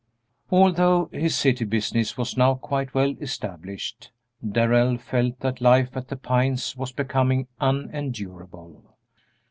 Although his city business was now quite well established, Darrell felt that life at The Pines was becoming unendurable.